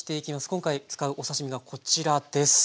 今回使うお刺身がこちらです。